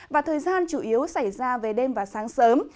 và thời gian chủ yếu xảy ra về đêm và sáng sớm